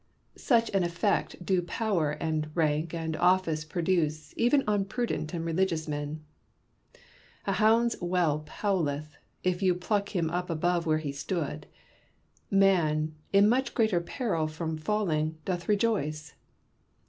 Such an effect do power and rank and office produce even on prudent and religious men. A hound's whelp howleth, if you pluck him up above where he stood : man, in much greater peril from falling, doth rejoice.